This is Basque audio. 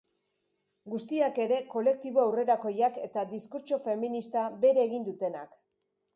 Guztiak ere, kolektibo aurrerakoiak eta diskurtso feminista bere egin dutenak.